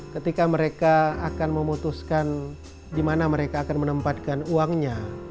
ketika mereka akan memutuskan di mana mereka akan menempatkan uangnya